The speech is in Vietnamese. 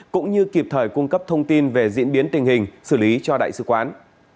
cũng như kịp thời cung cấp thông tin về diễn biến tình hình xử lý cho đại sứ quán